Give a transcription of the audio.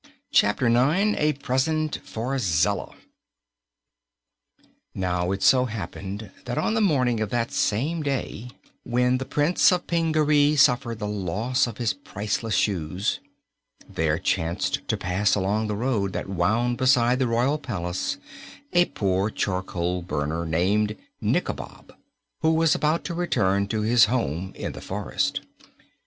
Chapter Nine A Present for Zella Now it so happened that on the morning of that same day when the Prince of Pingaree suffered the loss of his priceless shoes, there chanced to pass along the road that wound beside the royal palace a poor charcoal burner named Nikobob, who was about to return to his home in the forest.